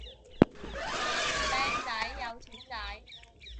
靚仔有錢仔